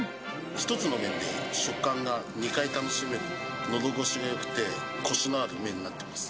１つの麺で食感が２回楽しめる、のど越しがよくて腰のある麺になってます。